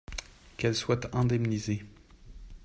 Qu’elle soit indemnisée.